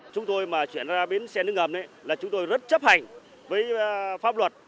chúng tôi mà chuyển ra bến xe nước ngầm là chúng tôi rất chấp hành với pháp luật